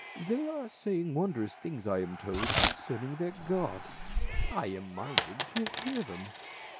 " They are saying wondrous things, I am told, concerning their God ; I am minded to hear them."